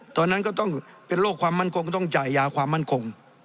ตอนนั้นก็ต้องเป็นโรคความมั่นคง